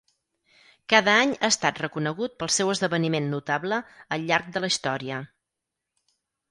Cada any ha estat reconegut pel seu esdeveniment notable al llarg de la història.